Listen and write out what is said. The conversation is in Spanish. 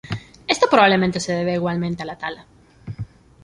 Esto probablemente se deba igualmente a la tala.